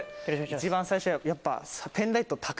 一番最初はやっぱ。